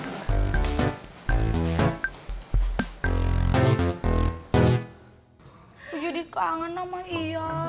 aku jadi kangen sama ia